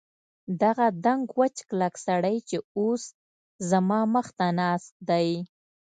دغه دنګ وچ کلک سړی چې اوس زما مخ ته ناست دی.